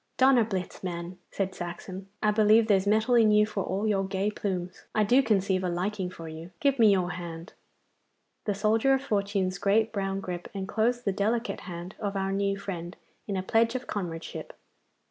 'Donnerblitz, man!' said Saxon. 'I believe there's mettle in you for all your gay plumes. I do conceive a liking for you. Give me your hand!' The soldier of fortune's great brown grip enclosed the delicate hand of our new friend in a pledge of comradeship.